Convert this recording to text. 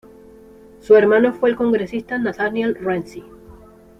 Su hermano fue el congresista Nathaniel Ramsey.